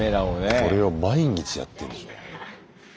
これを毎日やってんでしょ。